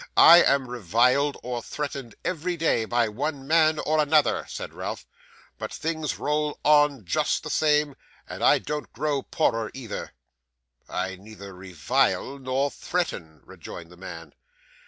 I am reviled or threatened every day by one man or another,' said Ralph; 'but things roll on just the same, and I don't grow poorer either.' 'I neither revile nor threaten,' rejoined the man.